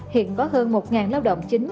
hiện có hơn một ngàn lao động chính